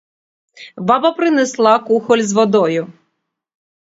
Баба принесла кухоль з водою.